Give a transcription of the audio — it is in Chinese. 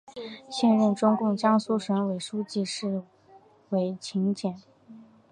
现任中共江苏省委书记是娄勤俭。